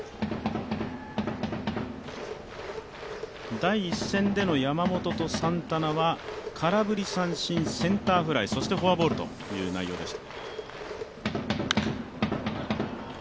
第１戦での山本とサンタナは空振り三振、センターフライ、そしてフォアボールという内容でした。